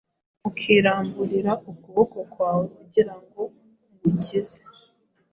ukiramburira ukuboko kwawe kugira ngo gukize,